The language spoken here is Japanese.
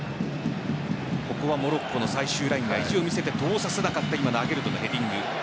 ここはモロッコの最終ラインが意地を見せて通さなかったアゲルドのヘディング。